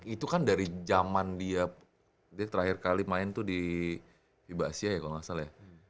itu kan dari zaman dia terakhir kali main tuh di basia ya kalau gak salah